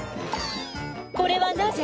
「これはなぜ？」